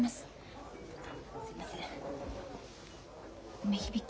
梅響